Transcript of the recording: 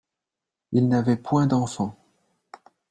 Ils n'avaient point d'enfants